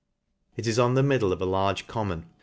It is on the middle of a large common.